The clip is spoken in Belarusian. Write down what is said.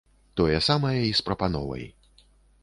Тое самае і з прапановай.